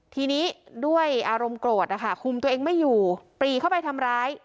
ทีนี้ด้วยอารมณ์โกรธนะคะคุมตัวเองไม่อยู่ปรีเข้าไปทำร้าย